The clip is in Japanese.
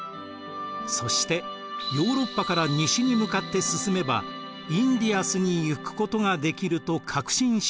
そしてヨーロッパから西に向かって進めばインディアスに行くことができると確信しました。